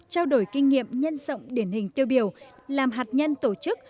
trao đổi kinh nghiệm nhân rộng điển hình tiêu biểu làm hạt nhân tổ chức